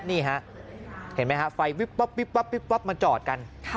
นี่ฮะเห็นไหมฮะไฟวิบป๊อบวิบป๊อบวิบป๊อบมาจอดกัน